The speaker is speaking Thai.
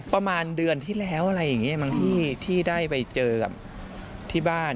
ประมาณเดือนที่แล้วอะไรอย่างนี้บางที่ที่ได้ไปเจอกับที่บ้าน